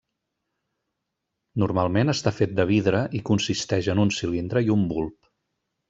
Normalment està fet de vidre i consisteix en un cilindre i un bulb.